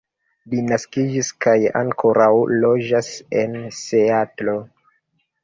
Li naskiĝis kaj ankoraŭ loĝas en Seatlo.